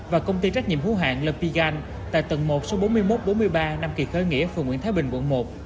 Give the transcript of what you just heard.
và công ty trách nhiệm hữu hạng lepigan tại tầng một số bốn mươi một bốn mươi ba năm kỳ khởi nghĩa phường nguyễn thái bình quận một